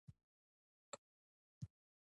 ډیموکراسۍ ته د رسېدو بریالۍ لاره ده.